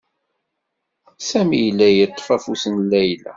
Sami yella yeṭṭef afus n Layla.